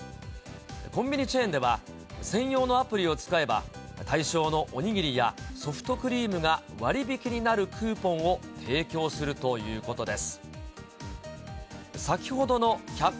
コンビニチェーンでは、専用のアプリを使えば、対象のおにぎりやソフトクリームが割引になるクーポンを提供するということです。